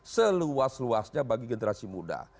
seluas luasnya bagi generasi muda